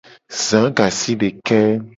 Za gasideke.